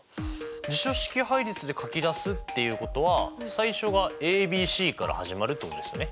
辞書式配列で書き出すっていうことは最初がａｂｃから始まるってことですよね。